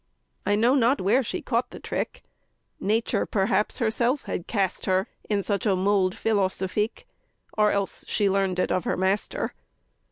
I know not where she caught the trick Nature perhaps herself had cast her In such a mould philosophique, Or else she learn'd it of her master.